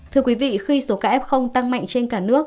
thưa quý vị khi số ca f tăng mạnh trên cả nước